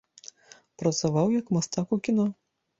Працаваў як мастак у кіно.